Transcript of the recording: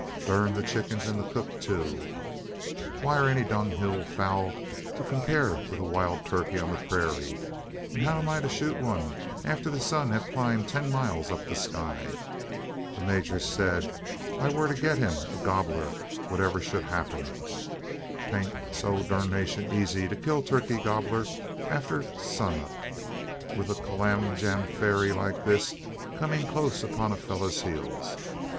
"Durn the chickens, an the cook too! What air any dung hill fowl to compare wi' a wild turkey o' the purayra; an how am I to shoot one, arter the sun hev clomb ten mile up the sky? The major sayed I war to git him a gobbler, whativer shed happen. 'Tain't so durnation eezy to kill turkey gobbler arter sun up, wi' a clamjamferry like this comin' clost upon a fellur's heels?